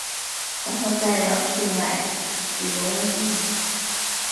然后再绕去买羽绒衣